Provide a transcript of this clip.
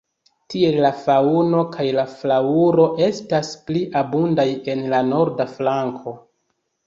Tiel la faŭno kaj la flaŭro estas pli abundaj en la norda flanko.